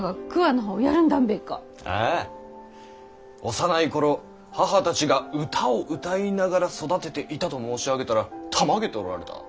「幼い頃母たちが歌を歌いながら育てていた」と申し上げたらたまげておられた。